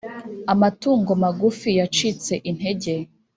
amatungo magufi yacitse intege.